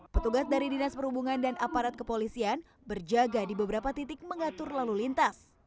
petugas dari dinas perhubungan dan aparat kepolisian berjaga di beberapa titik mengatur lalu lintas